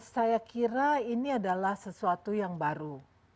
saya kira ini adalah sesuatu yang baru